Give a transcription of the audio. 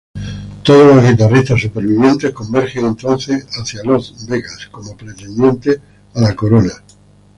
Todos los guitarristas supervivientes convergen entonces hacia Lost Vegas como pretendientes a la corona.